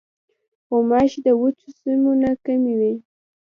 غوماشې د وچو سیمو نه کمې وي.